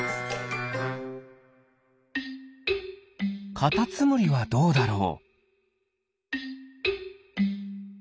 カタツムリはどうだろう？